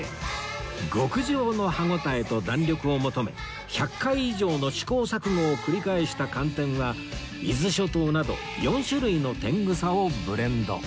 極上の歯応えと弾力を求め１００回以上の試行錯誤を繰り返した寒天は伊豆諸島など４種類の天草をブレンド